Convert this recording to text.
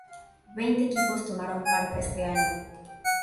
Veinte equipos tomaron parte este año.